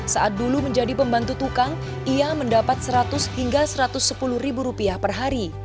saat dulu menjadi pembantu tukang ia mendapat seratus hingga satu ratus sepuluh ribu rupiah per hari